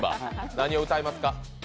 何を歌いますか？